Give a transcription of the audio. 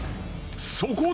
そこで！